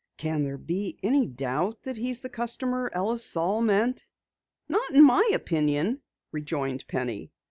"Can there be any doubt that he is the customer Ellis Saal meant?" "Not in my opinion," rejoined Penny.